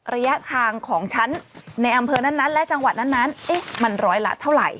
ระยะทางของฉันในอำเภอนั้นและจังหวัดนั้นมันร้อยละเท่าไหร่